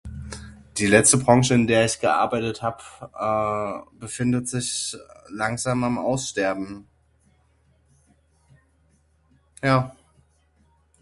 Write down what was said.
Die letzte Branche in der ich gearbeitet hab eh befindet sich langsam am aussterben. Ja.